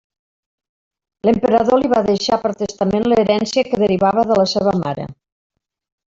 L'emperador li va deixar per testament l'herència que derivava de la seva mare.